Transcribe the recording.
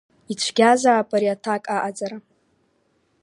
Ицәгьазаап ари аҭак аҟаҵара.